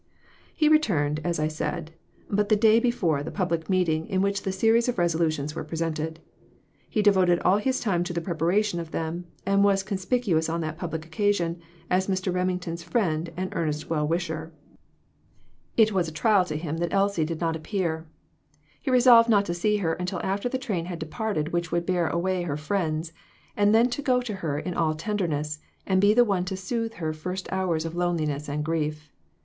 He returned, as I said, but the day before the public meeting in which the series of resolutions were presented. He devoted all his time to the preparation of them, and was conspicuous on that public occasion, as Mr. Remington's friend and earnest well wisher. It was a trial to him that J. S. R. 417 Elsie did not appear. He resolved not to see her until after the train had departed which would bear away her friends, and then to go to her in all tenderness, and be the one to soothe her first hours of loneliness and grief.